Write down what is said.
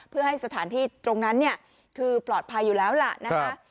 เพื่อให้สถานที่ตรงนั้นเนี่ยคือปลอดภัยอยู่แล้วล่ะนะคะ